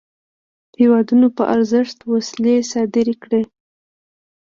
هیوادونو په ارزښت وسلې صادري کړې.